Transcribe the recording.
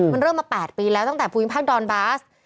มันเริ่มมา๘ปีแล้วตั้งแต่ภูมิภาคดอนบาส